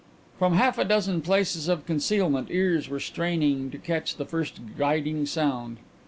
From half a dozen places of concealment ears were straining to catch the first guiding sound.